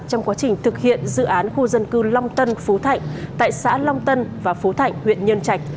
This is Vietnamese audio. trong quá trình thực hiện dự án khu dân cư long tân phú thạnh tại xã long tân và phú thạnh huyện nhân trạch